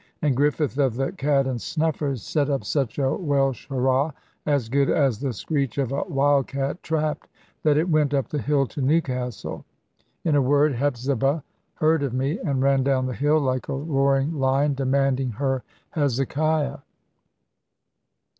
And Griffith of the "Cat and Snuffers," set up such a Welsh hurrah [as good as the screech of a wild cat trapped] that it went up the hill to Newcastle. In a word, Hepzibah heard of me, and ran down the hill, like a roaring lion, demanding her Hezekiah!